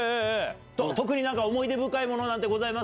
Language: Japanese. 特になんか思い出深いものなんかございます？